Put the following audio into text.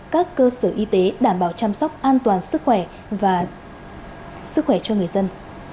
các cơ sở y tế đảm bảo chăm sóc an toàn sức khỏe và sức khỏe cho người dân